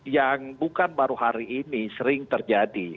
yang bukan baru hari ini sering terjadi